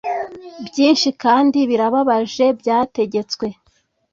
Byinshi kandi birababaje byategetswe